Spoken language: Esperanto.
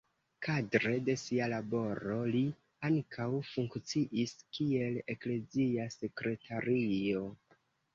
Kadre de sia laboro li ankaŭ funkciis kiel eklezia sekretario.